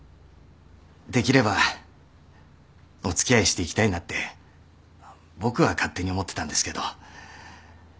できればお付き合いしていきたいなって僕は勝手に思ってたんですけど。